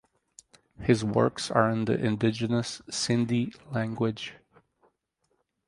His works are in the indigenous Sindhi language.